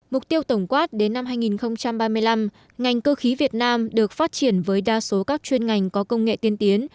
mục tiêu tổng quát đến năm hai nghìn ba mươi năm ngành cơ khí việt nam được phát triển với đa số các chuyên ngành có công nghệ tiên tiến